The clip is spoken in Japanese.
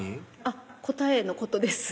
答えのことです